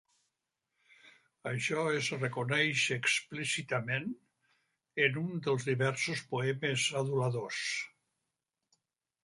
Això es reconeix explícitament en un dels diversos poemes aduladors.